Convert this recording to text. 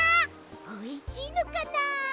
おいしいのかなあ。